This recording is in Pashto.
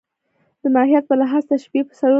د ماهیت په لحاظ تشبیه پر څلور ډوله ده.